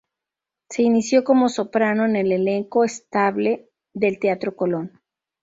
Se inició como soprano en el elenco estable del Teatro Colón.